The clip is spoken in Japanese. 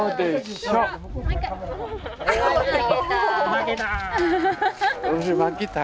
負けた？